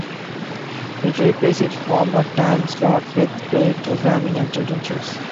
It replaced its former time slot with paid programming and children's shows.